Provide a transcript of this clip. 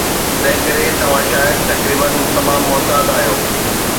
تنهنڪري توهان شايد تقريبا تمام محتاط آهيو